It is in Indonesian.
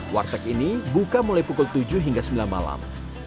warteg ini buka mulai pukul tujuh hingga sembilan malam